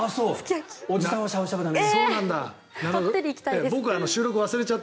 おじさんはしゃぶしゃぶだね。